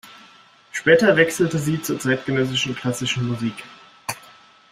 Später wechselte sie zur zeitgenössischen klassischen Musik.